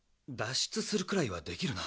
しゅつするくらいはできるな。